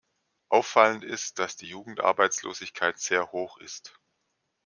Auffallend ist, dass die Jugendarbeitslosigkeit sehr hoch ist.